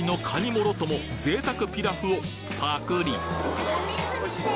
もろとも贅沢ピラフをパクリ！